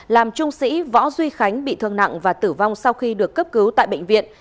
làm trung sĩ võ duy khánh bị thương nặng và tử vong sau khi được cấp cứu tại bệnh viện